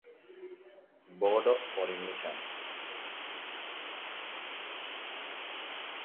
Board of Foreign Missions.